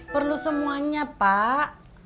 perlu semuanya pak